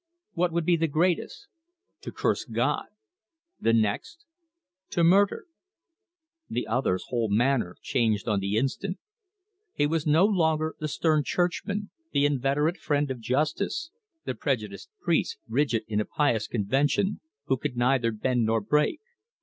"What would be the greatest?" "To curse God." "The next?" "To murder." The other's whole manner changed on the instant. He was no longer the stern Churchman, the inveterate friend of Justice, the prejudiced priest, rigid in a pious convention, who could neither bend nor break.